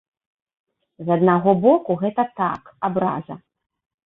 З аднаго боку, гэта так, абраза.